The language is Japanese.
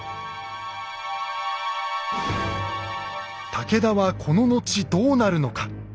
武田はこの後どうなるのか。